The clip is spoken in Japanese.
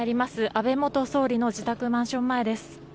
安倍元総理の自宅マンション前です。